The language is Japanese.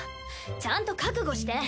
ちゃんと覚悟して！